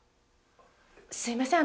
すいません